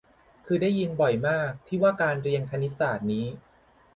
คือได้ยินบ่อยมาก ที่ว่าการเรียนคณิตศาสตร์นี้